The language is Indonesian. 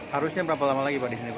harusnya berapa lama lagi pak